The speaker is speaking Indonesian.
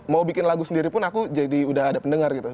mau bikin lagu sendiri pun aku jadi udah ada pendengar gitu